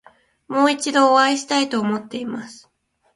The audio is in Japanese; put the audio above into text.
もう一度お会いしたいと思っています。